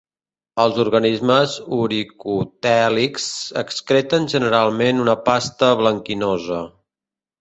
Els organismes uricotèlics excreten generalment una pasta blanquinosa.